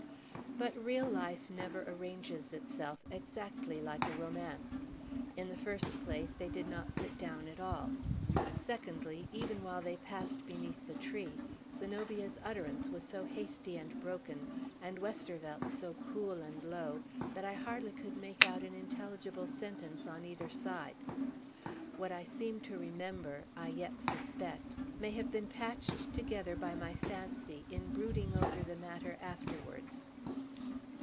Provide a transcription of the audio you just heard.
But real life never arranges itself exactly like a romance. In the first place, they did not sit down at all. Secondly, even while they passed beneath the tree, Zenobia's utterance was so hasty and broken, and Westervelt's so cool and low, that I hardly could make out an intelligible sentence on either side. What I seem to remember, I yet suspect, may have been patched together by my fancy, in brooding over the matter afterwards.